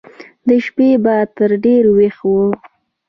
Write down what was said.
د شپې به تر ډېره ويښ و.